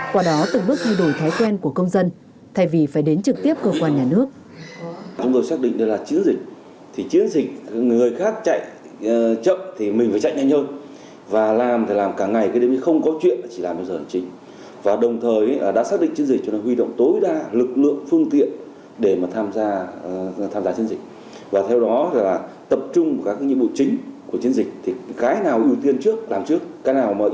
qua đó từng bước thay đổi thái quen của công dân thay vì phải đến trực tiếp cơ quan nhà nước